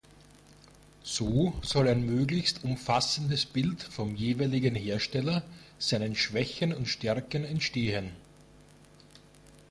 So soll ein möglichst umfassendes Bild vom jeweiligen Hersteller, seinen Schwächen und Stärken, entstehen.